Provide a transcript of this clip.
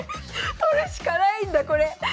取るしかないんだこれ。